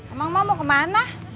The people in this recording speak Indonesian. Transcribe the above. emang mak mau kemana